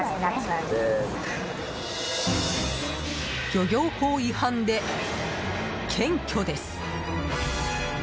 漁業法違反で検挙です。